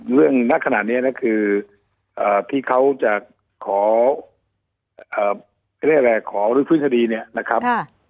เรื่องขณะนี้นะคือที่เขาจะขอรูปพฤษฎีเนี่ยนะครับ